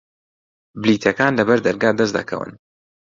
بلیتەکان لە بەردەرگا دەست دەکەون.